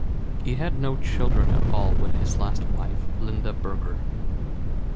He had no children at all with his last wife, Linda Berger.